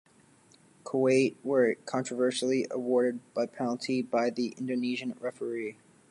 Kuwait were controversially awarded a penalty by the Indonesian referee.